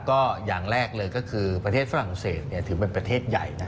ก็อย่างแรกเลยก็คือประเทศฝรั่งเศสถือเป็นประเทศใหญ่นะ